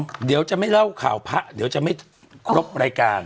เดี๋ยวจะไม่เล่าข่าวพระเดี๋ยวจะไม่ครบรายการ